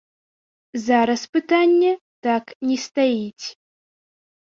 Зараз пытанне так не стаіць.